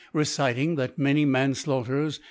reciting that many Manflaugh* ters.